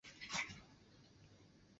唐永徽元年。